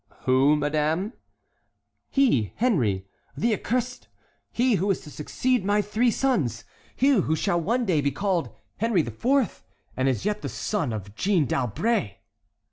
"Who, madame?" "He, Henry, the accursed,—he who is to succeed my three sons,—he who shall one day be called Henry IV., and is yet the son of Jeanne d'Albret."